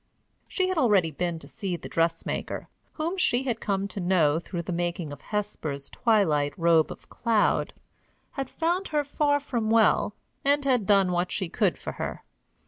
She had already been to see the dressmaker, whom she had come to know through the making of Hesper's twilight robe of cloud, had found her far from well, and had done what she could for her.